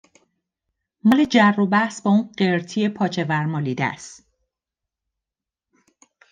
مال جر و بحث با اون قرتی پاچه ور مالیده اس